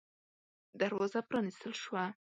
دروازه پًرانيستل شوه.